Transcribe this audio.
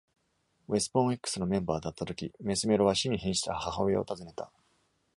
「ウェスポン X」のメンバーだった時、メスメロは死に瀕した母親を訪ねた。